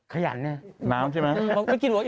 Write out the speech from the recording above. ขยันนะคะ